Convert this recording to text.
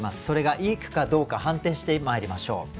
それがいい句かどうか判定してまいりましょう。